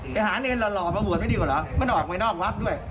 ไปหาเนรหล่อมาบวชไม่ดีกว่าเหรอมันออกไปนอกวัดด้วย